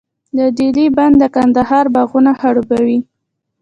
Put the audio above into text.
د دهلې بند د کندهار باغونه خړوبوي.